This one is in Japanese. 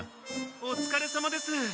おつかれさまです！